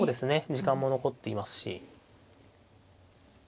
時間も残っていますし。